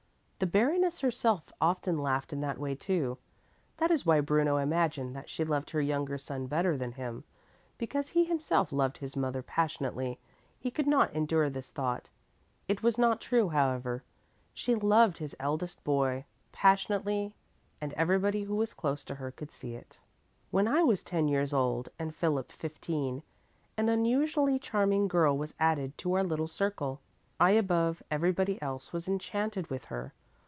The Baroness herself often laughed in that way, too. That is why Bruno imagined that she loved her younger son better than him, and because he himself loved his mother passionately, he could not endure this thought. It was not true, however. She loved his eldest boy passionately and everybody who was close to her could see it. "When I was ten years old and Philip fifteen, an unusually charming girl was added to our little circle. I above everybody else was enchanted with her.